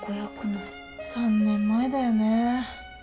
３年前だよね。